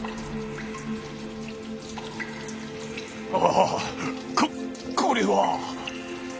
ああここれは。